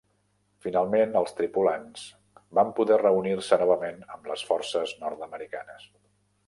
Finalment, els tripulants van poder reunir-se novament amb les forces nord-americanes.